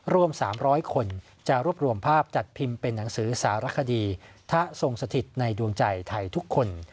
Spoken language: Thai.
รวม๓๐๐คนจะรวบรวมภาพจัดพิมพ์เป็นหนังสือสารคดีทะทรงสถิตในดวงใจไทยทุกคน